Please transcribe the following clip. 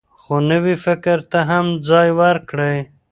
خو نوي فکر ته هم ځای ورکړئ.